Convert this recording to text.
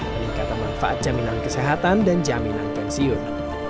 peningkatan manfaat jaminan kesehatan dan jaminan pensiun